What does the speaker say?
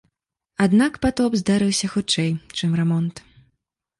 Аднак патоп здарыўся хутчэй, чым рамонт.